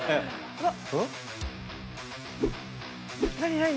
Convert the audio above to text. うわっ！